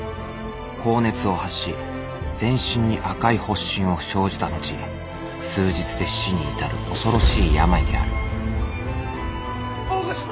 高熱を発し全身に赤い発疹を生じた後数日で死に至る恐ろしい病である大御所様！